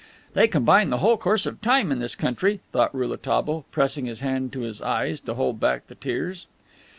"They combine the whole course of time in this country," thought Rouletabille, pressing his hand to his eyes to hold back the tears.